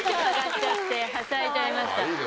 はしゃいじゃいました。